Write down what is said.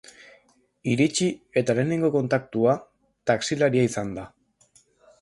Iritsi eta lehenengo kontaktua, taxilaria izan da.